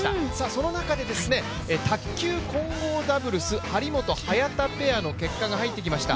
その中で卓球混合ダブルス張本・早田ペアの結果が入ってきました。